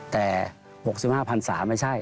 แต่๖๕พันศาไม่ใช่